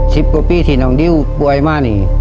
ชีพพี่หนึ่งดิวป่วยมาครับ